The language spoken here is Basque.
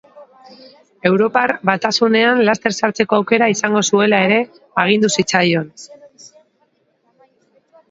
Europar Batasunean laster sartzeko aukera izango zuela ere agindu zitzaion.